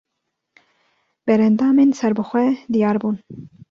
Berendamên serbixwe diyar bûn